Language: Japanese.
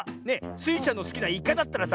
スイちゃんのすきなイカだったらさ